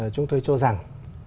chúng tôi cho rằng